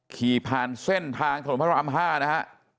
ขี่ผ่านเส้นทางถนนพระราม๕นะฮะ